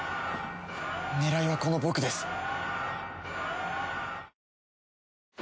狙いはこの僕です。